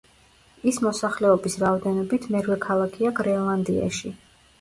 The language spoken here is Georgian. ის მოსახლეობის რაოდენობით მერვე ქალაქია გრენლანდიაში.